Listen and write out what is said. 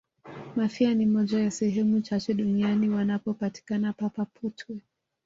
mafia ni moja ya sehemu chache duniani wanapopatikana papa potwe